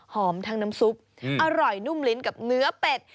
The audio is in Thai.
ทั้งน้ำซุปอร่อยนุ่มลิ้นกับเนื้อเป็ด